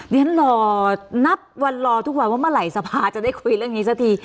ฉันรอนับวันรอทุกวันว่าเมื่อไหร่สภาจะได้คุยเรื่องนี้สักที